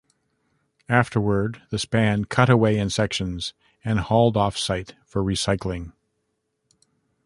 Afterwards, the span cut away in sections and hauled off site for recycling.